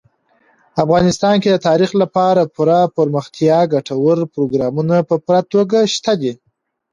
افغانستان کې د تاریخ لپاره پوره دپرمختیا ګټور پروګرامونه په پوره توګه شته دي.